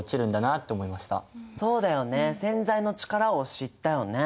そうだよね洗剤の力を知ったよね。